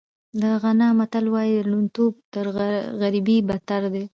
د غانا متل وایي ړوندتوب تر غریبۍ بدتر دی.